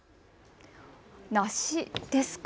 梨ですか。